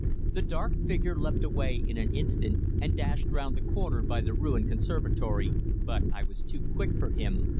The dark figure leapt away in an instant, and dashed round the corner by the ruined conservatory, but I was too quick for him.